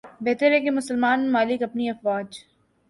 بہتر ہے کہ مسلمان ممالک اپنی افواج